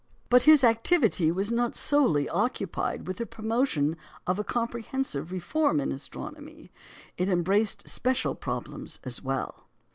But his activity was not solely occupied with the promotion of a comprehensive reform in astronomy; it embraced special problems as well.